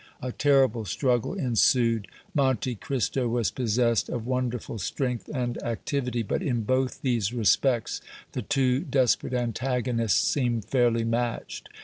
A terrible struggle ensued. Monte Cristo was possessed of wonderful strength and activity, but in both these respects the two desperate antagonists seemed fairly matched.